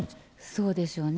そうでしょうね。